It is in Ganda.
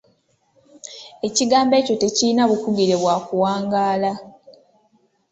Ekigambo ekyo tekirina bukugire bwa kuwangaala.